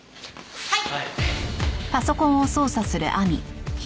はい。